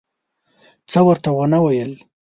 څه ورته ونه ویل.